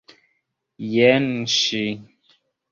Jen ŝi!